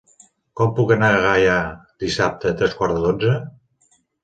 Com puc anar a Gaià dissabte a tres quarts de dotze?